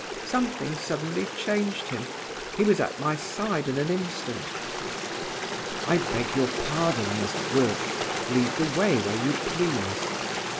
"Something suddenly changed him; he was at my side in an instant. 'I beg your pardon, Miss Gwilt; lead the way where you please.